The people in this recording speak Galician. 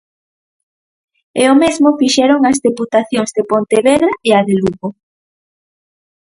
E o mesmo fixeron as deputacións de Pontevedra e a de Lugo.